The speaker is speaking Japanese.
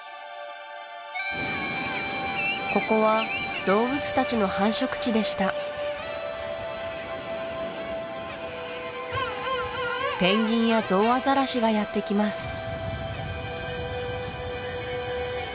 ここは動物たちの繁殖地でしたペンギンやゾウアザラシがやってきます